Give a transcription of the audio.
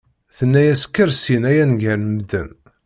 Tenna-yas kker syin ay aneggar n medden!